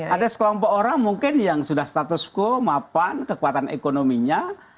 ada sekelompok orang mungkin yang sudah status quo mapan kekuatan ekonominya